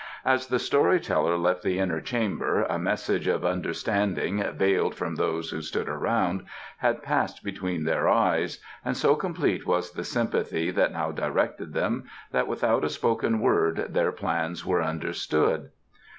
As the story teller left the inner chamber a message of understanding, veiled from those who stood around, had passed between their eyes, and so complete was the sympathy that now directed them that without a spoken word their plans were understood.